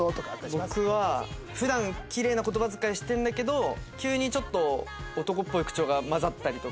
僕は普段キレイな言葉遣いしてるんだけど急にちょっと男っぽい口調が交ざったりとか。